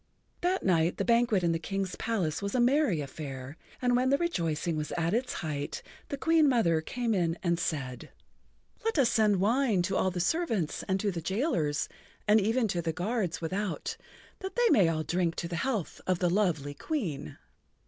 That night the banquet in the King's[Pg 62] palace was a merry affair, and when the rejoicing was at its height the Queen Mother came in and said: "Let us send wine to all the servants and to the jailers and even to the guards without, that they may all drink to the health of the lovely Queen."